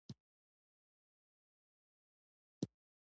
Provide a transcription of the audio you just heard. مرکزګرا قوه جسم مرکز ته راکاږي.